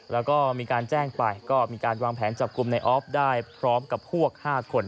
แล้วก็มีการแจ้งไปก็มีการวางแผนจับกลุ่มในออฟได้พร้อมกับพวก๕คน